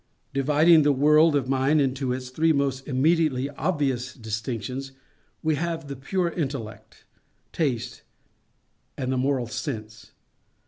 Dividing the world of mind into its three most immediately obvious distinctions, we have the Pure Intellect, Taste, and the Moral Sense.